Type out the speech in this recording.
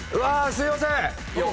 すいません！